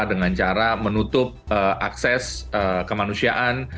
dengan cara menutup akses kemanusiaan